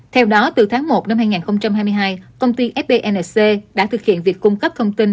theo đó từ tháng một năm hai nghìn hai mươi hai công ty fbnc đã thực hiện việc cung cấp thông tin